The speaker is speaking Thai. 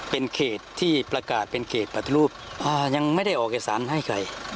เป็นเขตที่ประกาศเป็นเขตปฏิรูปยังไม่ได้ออกเอกสารให้ใคร